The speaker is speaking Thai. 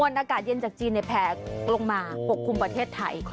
อากาศเย็นจากจีนแผลลงมาปกคลุมประเทศไทย